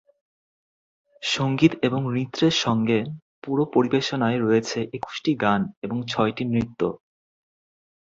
সংগীত এবং নৃত্যের সঙ্গে পুরো পরিবেশনায় রয়েছে একুশটি গান এবং ছয়টি নৃত্য।